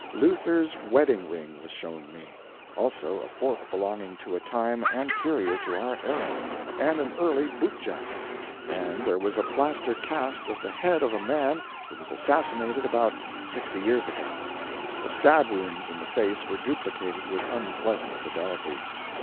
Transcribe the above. Luther's wedding ring was shown me; also a fork belonging to a time anterior to our era, and an early bootjack. And there was a plaster cast of the head of a man who was assassinated about sixty years ago. The stab wounds in the face were duplicated with unpleasant fidelity.